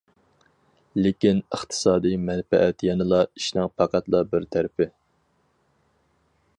لېكىن ئىقتىسادىي مەنپەئەت يەنىلا ئىشنىڭ پەقەتلا بىر تەرىپى.